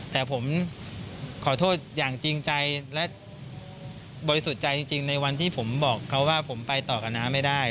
แต่ผมขอโทษอย่างจริงใจและบริสุทธิ์ใจจริงในวันที่ผมบอกเขาว่าผมไปต่อกับน้าไม่ได้